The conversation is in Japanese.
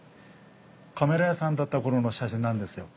カメラ屋さんだった頃の写真なんですよ。